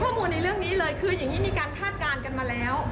ข้อมูลในเรื่องนี้เลยคืออย่างนี้มีการคาดการณ์กันมาแล้ว